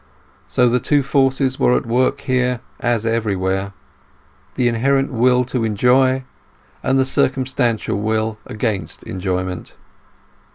So the two forces were at work here as everywhere, the inherent will to enjoy, and the circumstantial will against enjoyment.